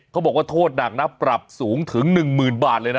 เขาบอกว่าโทษหนักนะปรับสูงถึง๑๐๐๐บาทเลยนะ